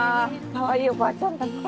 かわいいおばあちゃんだった。